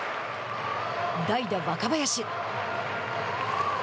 代打若林。